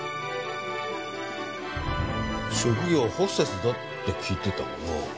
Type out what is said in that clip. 職業ホステスだって聞いてたがな。